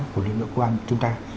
của lực lượng công an của chúng ta